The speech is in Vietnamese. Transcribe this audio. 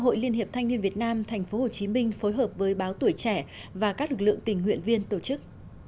hội liên hiệp thanh niên việt nam tp hcm phối hợp với báo tuổi trẻ và các lực lượng tình nguyện viên tổ chức